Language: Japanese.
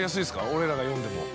俺らが読んでも。